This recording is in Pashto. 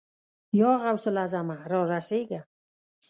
يا غوث الاعظمه! را رسېږه.